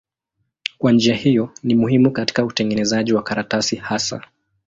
Kwa njia hiyo ni muhimu katika utengenezaji wa karatasi hasa.